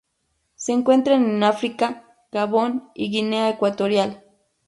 Se encuentran en África: Gabón y Guinea Ecuatorial.